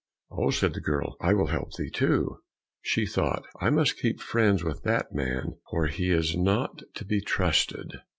"Oh," said the girl, "I will help thee too." She thought, "I must keep friends with that man, for he is not to be trusted."